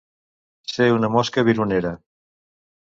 Ser una mosca vironera.